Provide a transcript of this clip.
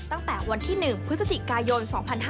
ตั้งแต่วันที่๑พฤศจิกายน๒๕๕๙